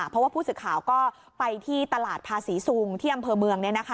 เพราะว่าผู้สื่อข่าวก็ไปที่ตลาดภาษีซุงที่อำเภอเมือง